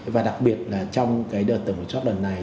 và đặc biệt là trong cái đợt tổng kiểm soát đợt này